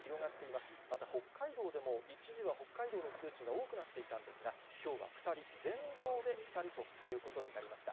また北海道でも、一時は北海道の数値が多くなっていたんですが、きょうは２人、全道で２人ということになりました。